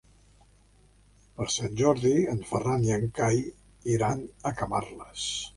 Per Sant Jordi en Ferran i en Cai iran a Camarles.